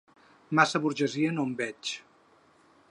Massa burgesia no en veig.